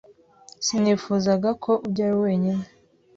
Sinifuzaga ko ujyayo wenyine.